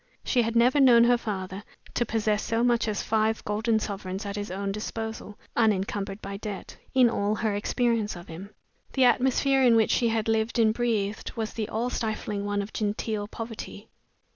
She had never known her father to possess so much as five golden sovereigns at his own disposal (unencumbered by debt) in all her experience of him. The atmosphere in which she had lived and breathed was the all stifling one of genteel poverty.